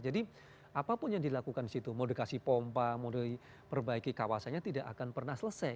jadi apapun yang dilakukan disitu modifikasi pompa modifikasi perbaiki kawasanya tidak akan pernah selesai